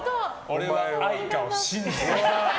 俺は愛花を信じてる！